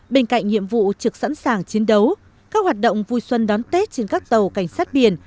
bên cạnh nhiệm vụ trực sẵn sàng chiến đấu các hoạt động vui xuân đón tết trên các tàu cảnh sát biển